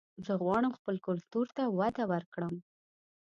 زه غواړم خپل کلتور ته وده ورکړم